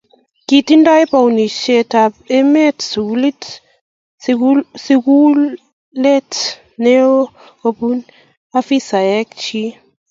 kitindoi bounishet ab emet sungulet neo kubun afisaek chi